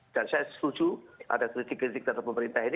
dan saya setuju ada kritik kritik dari pemerintah ini